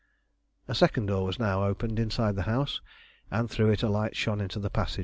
A second door was now opened inside the house, and through it a light shone into the passage.